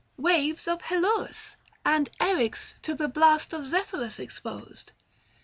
Waves of Helorus ; and Eryx, to the blast Of Zephyrus exposed.